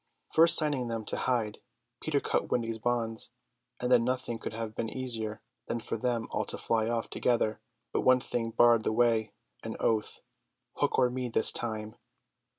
First signing them to hide, Peter cut Wendy's bonds, and then nothing could have been easier than for them all to fly off together; but one thing barred the way, an oath, "Hook or me this time."